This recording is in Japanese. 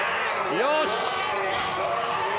よし！